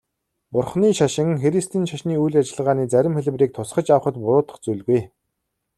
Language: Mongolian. Бурханы шашин христийн шашны үйл ажиллагааны зарим хэлбэрийг тусгаж авахад буруудах зүйлгүй.